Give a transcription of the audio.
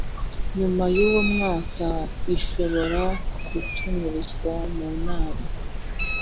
nyuma y umwaka Ishobora gutumizwa munama